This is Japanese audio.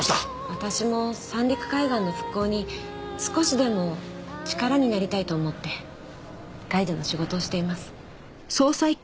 私も三陸海岸の復興に少しでも力になりたいと思ってガイドの仕事をしています。